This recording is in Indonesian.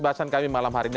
bahasan kami malam hari ini